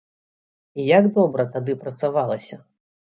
І як добра тады працавалася!